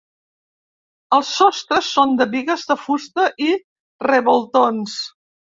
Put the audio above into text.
Els sostres són de bigues de fusta i revoltons.